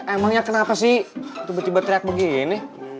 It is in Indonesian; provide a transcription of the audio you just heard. emangnya kenapa sih tiba tiba teriak begini